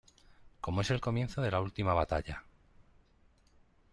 Como es el comienzo de la última batalla.